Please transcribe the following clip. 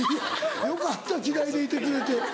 よかった嫌いでいてくれて。